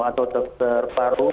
atau dokter paru